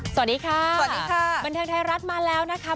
สวัสดีค่ะสวัสดีค่ะบันเทิงไทยรัฐมาแล้วนะคะ